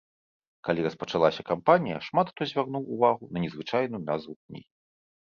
Калі распачалася кампанія, шмат хто звярнуў увагу на незвычайную назву кнігі.